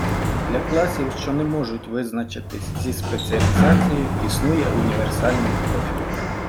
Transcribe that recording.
Для класів, що не можуть визначитись зі спеціалізацією, існує універсальний профіль.